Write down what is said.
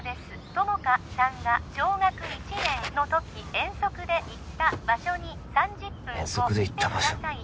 友果さんが小学１年の時遠足で行った場所に３０分後来てください